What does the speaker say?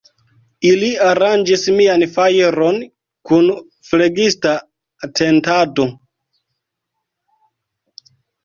Ili aranĝis mian fajron kun flegista atentado.